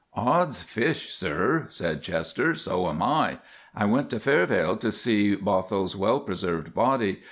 "Odd's fish, sir," said Chester, "so am I. I went to Faarveile to see Bothwell's well preserved body.